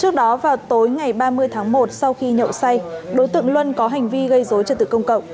trước đó vào tối ngày ba mươi tháng một sau khi nhậu say đối tượng luân có hành vi gây dối trật tự công cộng